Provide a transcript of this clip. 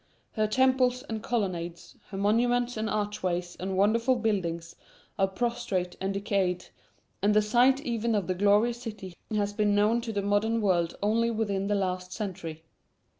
Her temples and colonnades, her monuments and archways and wonderful buildings are prostrate and decayed, and the site even of the glorious city has been known to the modern world only within the last century.